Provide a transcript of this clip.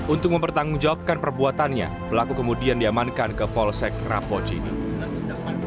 untuk mempertanggungjawabkan perbuatannya pelaku kemudian diamankan ke polsek rapocing